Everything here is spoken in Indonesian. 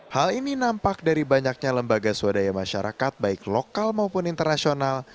hal ini nampak dari banyaknya lembaga swadaya masyarakat baik lokal maupun internasional